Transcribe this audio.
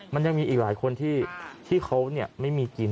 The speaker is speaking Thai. มันยังมีอีกหลายคนที่เขาไม่มีกิน